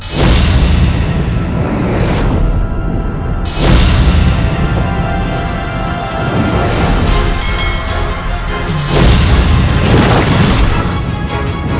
saya akan membangkukmu